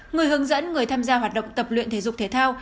người hướng dẫn người tham gia hoạt động tập luyện thể dục thể thao